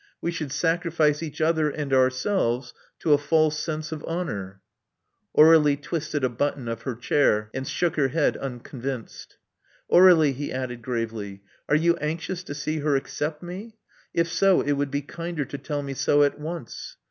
We should sacrifice each other and ourselves to a false sense of honor." Aur^lie twisted a button of her chair, and shook her head, uncon vinced. Aur61ie," he added gravely: are you anxious to see her accept me? If so, it would be kinder to tell me so at once.